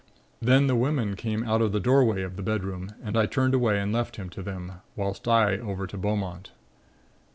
Then the women came out of the doorway of the bedroom and I turned away and left him to them, whilst I over to Beaumont.